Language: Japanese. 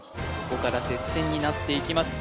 ここから接戦になっていきます